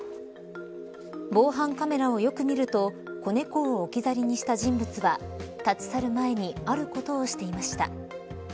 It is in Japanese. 防犯カメラをよく見ると子猫を置き去りにした人物は立ち去る前にあることをしていました。